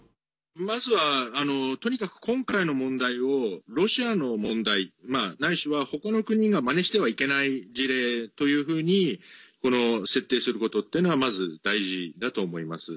まずは、とにかく今回の問題をロシアの問題ないしはほかの国がまねしてはいけない事例というふうに設定することっていうのはまず大事だと思います。